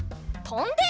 とんで！